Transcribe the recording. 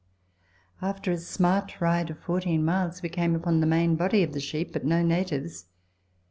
After a smart ride of fourteen miles we came on the main body of the sheep, but no natives.